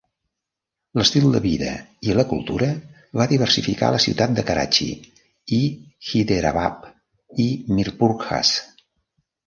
L'estil de vida i la cultura va diversificar la ciutat de Karachi i Hyderabad i Mirpurkhas.